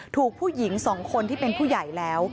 ถูกผู้หญิง๒คนที่เป็นผู้ใหญ่แล้ว